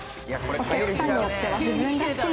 お客さんによっては。